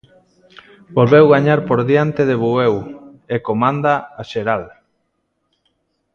Volveu gañar por diante de Bueu e comanda a xeral.